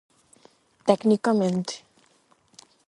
Tecnicamente.